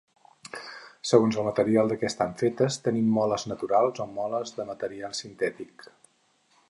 Segons el material de què estan fetes tenim moles naturals o moles de material sintètic.